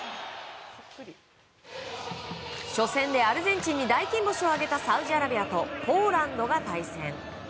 初戦でアルゼンチンに大金星を挙げたサウジアラビアとポーランドが対戦。